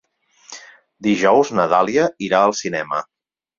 Dijous na Dàlia irà al cinema.